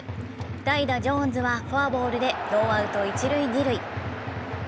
代打・ジョーンズはフォアボールでノーアウト一塁・二塁。